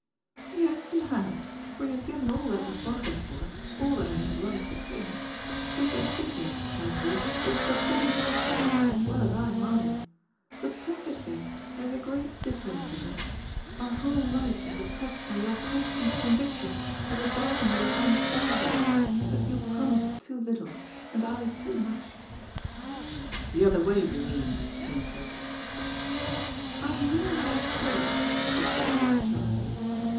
'' Yes, you have, for you have given all that was bargained for, all that I had a right to claim. Strictly speaking, there fore, you have performed your part as well as I mine. But, practically, there is a great difference, Hendrik. Our whole life is oppressed by your constant conviction that the bar gain was an unfair one, that you promised too little, and I too much." " The other way, you mean," he interrupted. "I mean what I say," she objected sharply.